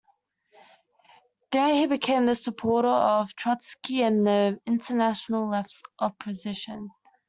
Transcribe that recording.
There he became a supporter of Trotsky and the International Left Opposition.